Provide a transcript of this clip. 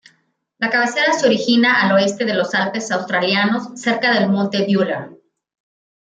La cabecera se origina al oeste de los Alpes Australianos, cerca del Monte Buller.